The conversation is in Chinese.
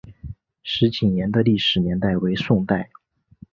石井岩的历史年代为宋代。